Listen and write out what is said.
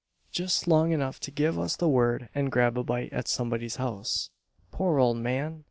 Just long enough to give us the word and grab a bite at somebody's house. Poor old man!